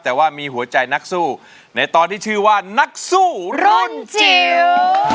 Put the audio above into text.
แต่ว่ามีหัวใจนักสู้ในตอนที่ชื่อว่านักสู้รุ่นจิ๋ว